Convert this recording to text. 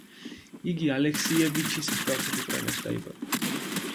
იგი ალექსიევიჩის მსგავსად უკრაინაში დაიბადა.